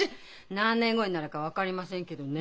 何年後になるか分かりませんけどね。